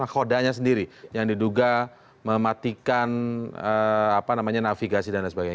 kodanya sendiri yang diduga mematikan navigasi dan lain sebagainya